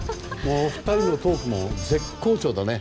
お二人のトークも絶好調でね。